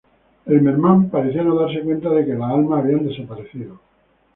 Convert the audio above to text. El merman parecía no darse cuenta de que las almas habían desaparecido.